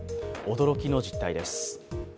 驚きの実態です。